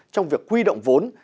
trong việc quy động vốn